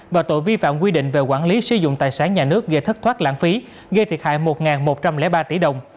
và tội vi phạm quy định về quản lý sử dụng tài sản nhà nước gây thất thoát lãng phí gây thiệt hại một một trăm linh ba tỷ đồng